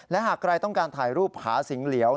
และหากใครต้องการถ่ายรูปหาสิงเหลียว